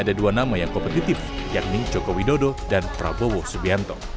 ada dua nama yang kompetitif yakni joko widodo dan prabowo subianto